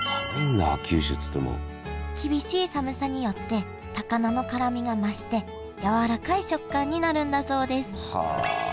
厳しい寒さによって高菜の辛みが増して柔らかい食感になるんだそうです